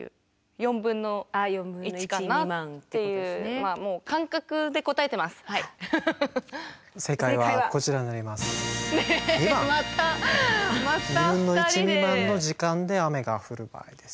２分の１未満の時間で雨が降る場合です。